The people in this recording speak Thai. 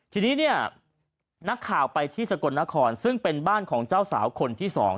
ทีนี้เนี่ยนักข่าวไปที่สกลนครซึ่งเป็นบ้านของเจ้าสาวคนที่๒